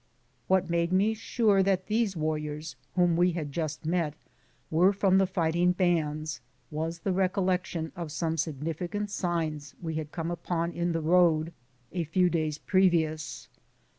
What made me sure that these warriors whom we had just met were from the fighting bands was the recollec tion of some significant signs we had come upon in the road a few daj's previous.